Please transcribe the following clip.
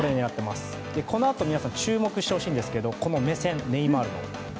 このあと、皆さん注目してほしいんですけどこのネイマールの目線。